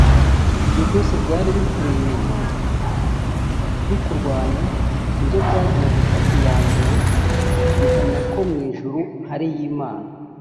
Ibyo byose byari bikuri inyuma bikurwanya ni byo bigiye gufata iya mbere bihamya ko mu ijuru hariyo Imana